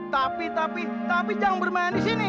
tapi tapi jangan bermain di sini